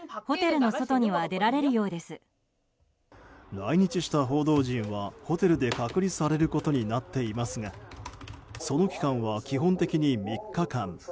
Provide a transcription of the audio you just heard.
来日した報道陣は、ホテルで隔離されることになっていますがその期間は基本的に３日間。